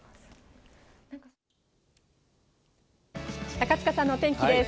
高塚さんのお天気です。